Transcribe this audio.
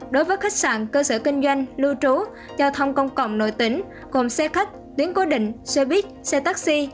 đối với khách sạn cơ sở kinh doanh lưu trú giao thông công cộng nội tỉnh gồm xe khách tuyến cố định xe buýt xe taxi